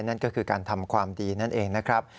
นั่นก็คือการทำความดีนั่นเองนะครับ